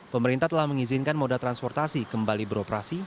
pemerintah telah mengizinkan moda transportasi kembali beroperasi